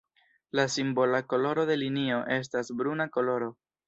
La simbola koloro de linio estas bruna koloro.